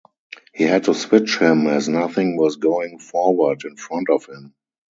He had to switch him as nothing was going forward in front of him.